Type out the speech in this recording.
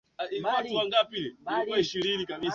Wafula alipokuwa Nairobi alijaribu sana